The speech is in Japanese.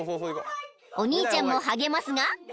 ［お兄ちゃんも励ますが］